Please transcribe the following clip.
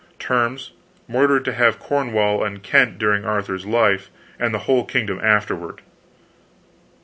Terms, Mordred to have Cornwall and Kent during Arthur's life, and the whole kingdom afterward."